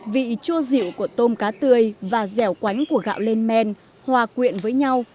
vị chua rượu của tôm cá tươi và dẻo quánh của gạo lên men hòa quyện với nhau